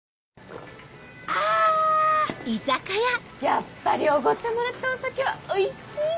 やっぱりおごってもらったお酒はおいしい！